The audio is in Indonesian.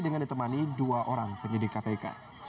dengan ditemani dua orang penyidik kpk